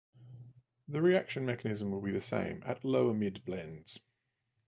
The reaction mechanism will be the same at lower-mid blends.